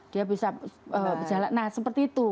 dia bisa berjalan nah seperti itu